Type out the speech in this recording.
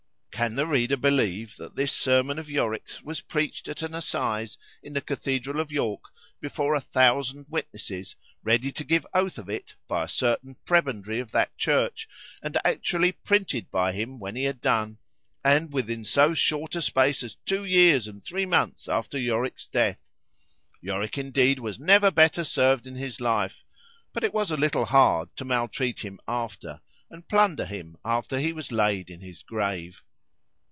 Can the reader believe, that this sermon of Yorick's was preached at an assize, in the cathedral of York, before a thousand witnesses, ready to give oath of it, by a certain prebendary of that church, and actually printed by him when he had done,——and within so short a space as two years and three months after Yorick's death?—Yorick indeed, was never better served in his life;——but it was a little hard to maltreat him after, and plunder him after he was laid in his grave.